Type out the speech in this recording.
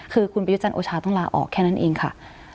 คือคุณประยุจันทร์โอชาต้องลาออกแค่นั้นเองค่ะ